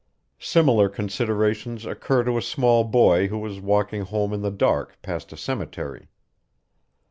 Similar considerations occur to a small boy who is walking home in the dark past a cemetery.